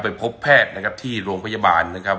พบแพทย์นะครับที่โรงพยาบาลนะครับ